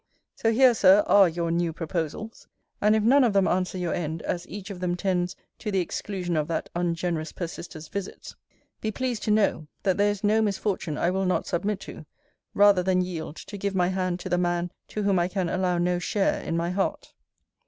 So here, Sir, are your new proposals. And if none of them answer your end, as each of them tends to the exclusion of that ungenerous persister's visits, be pleased to know, that there is no misfortune I will not submit to, rather than yield to give my hand to the man to whom I can allow no share in my heart.